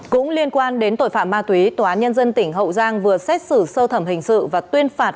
cũng liên quan đến tội phạm ma túy tòa án nhân dân tỉnh hậu giang vừa xét xử sơ thẩm hình sự và tuyên phạt